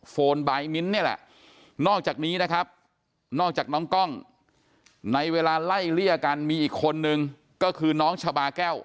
นบายมิ้นท์นี่แหละนอกจากนี้นะครับนอกจากน้องกล้องในเวลาไล่เลี่ยกันมีอีกคนนึงก็คือน้องชาบาแก้ว